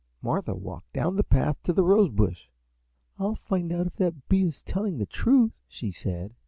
Martha walked down the path to the Rose Bush. "I'll find out if that bee is telling the truth," she said.